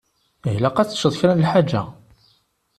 Ilaq ad teččeḍ kra n lḥaǧa.